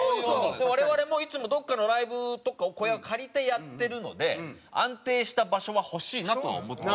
我々もいつもどこかのライブとか小屋を借りてやってるので安定した場所は欲しいなとは思ってる。